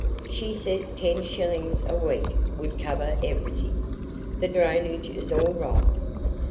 She says ten shillings a week would cover everything. The drainage is all right.